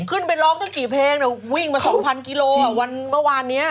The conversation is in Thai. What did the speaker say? ขึ้นไปร้องได้กี่เพลงแล้ววิ่งมา๒๐๐๐กิโลอ่ะวันเมื่อวานเนี้ย